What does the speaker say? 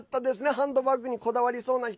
ハンドバッグにこだわりそうな人。